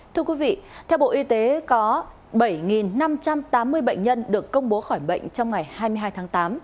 thưa quý vị theo bộ y tế có bảy năm trăm tám mươi bệnh nhân được công bố khỏi bệnh trong ngày hai mươi hai tháng tám